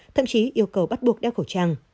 thậm chí yêu cầu bắt buộc đeo khẩu trang